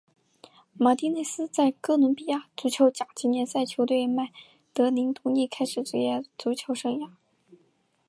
马丁内斯在哥伦比亚足球甲级联赛球队麦德林独立开始职业足球生涯。